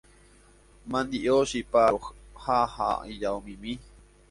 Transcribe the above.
Mandi'o, chipa, aloha ha ijaomimi.